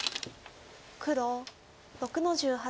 黒６の十八。